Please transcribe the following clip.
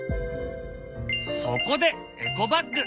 そこでエコバッグ。